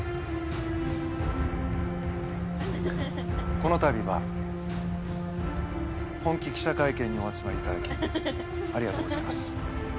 このたびは本気記者会見にお集まりいただきありがとうございます。